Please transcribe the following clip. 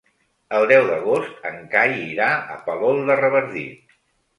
El deu d'agost en Cai irà a Palol de Revardit.